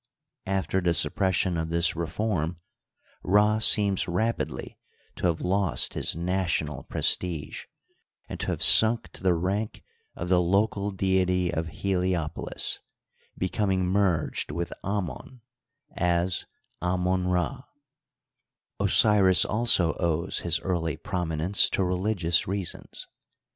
After the suppression of this reform, Rd seems rapidly to have lost his national prestige, and to have sunk to the Digitized byCjOOQlC IN TROD UCTOR K. 29 rank of the local deity of Heliopolis, becoming merged with Anion as Amon^Rd, Osiris also owes his early prominence to religious reasons.